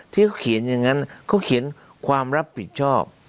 ที่เขาเขียนอย่างนั้นเขาเขียนความรับผิดชอบ